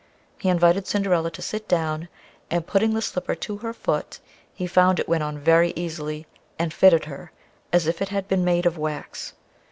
He invited Cinderilla to sit down, and putting the slipper to her foot, he found it went on very easily, and fitted her, as if it had been made of wax.